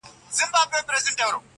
ن و، قاف و، يې و، بې ښايسته تورې~